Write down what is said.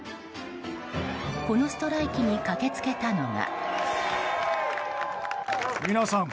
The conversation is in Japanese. このストライキに駆け付けたのが。